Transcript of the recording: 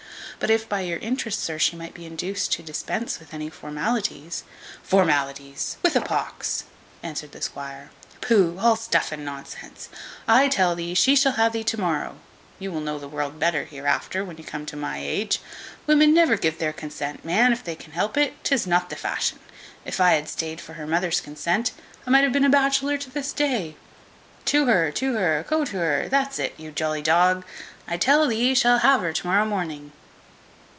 But if, by your interest, sir, she might be induced to dispense with any formalities " "Formalities! with a pox!" answered the squire. "Pooh, all stuff and nonsense! I tell thee, she shall ha' thee to morrow: you will know the world better hereafter, when you come to my age. Women never gi' their consent, man, if they can help it, 'tis not the fashion. If I had stayed for her mother's consent, I might have been a batchelor to this day. To her, to her, co to her, that's it, you jolly dog. I tell thee shat ha' her to morrow morning."